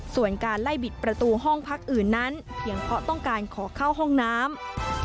ส่วนการไล่บิดประตูห้องพักอื่นนั้นเพียงเพราะต้องการขอเข้าห้องน้ำ